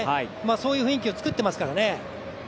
そういう雰囲気を作ってますからね。